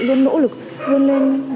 luôn nỗ lực luôn lên